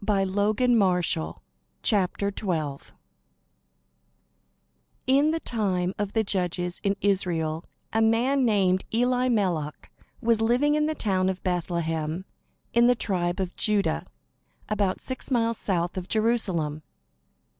THE STORY OF RUTH, THE GLEANER In the time of the Judges in Israel, a man named Elimelech was living in the town of Bethlehem, in the tribe of Judah, about six miles south of Jerusalem.